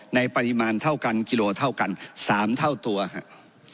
ในปริมาณเท่ากันกิโลเท่ากัน๓เท่าตัวครับ